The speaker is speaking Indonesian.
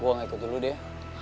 gue mau ikut dulu deh ya